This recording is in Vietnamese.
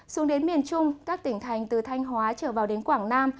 xuống đến miền trung các tỉnh thành từ thanh hóa trở vào đến quảng nam